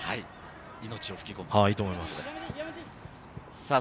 命を吹き込む、いいと思います。